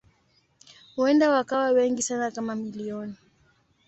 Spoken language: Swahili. Huenda wakawa wengi sana kama milioni.